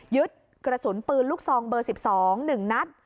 ยึดกระสุนปืนลูกทรองเบอร์๑๒หนึ่งนัด